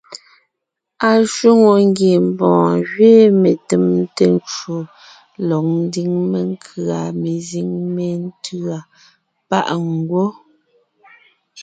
Ashwòŋo ngiembɔɔn gẅiin metèmte ncwò lɔg ńdiŋ menkʉ̀a mezíŋ métʉ̂a páʼ ngwɔ́.